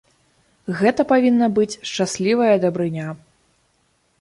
Гэта павінна быць шчаслівая дабрыня.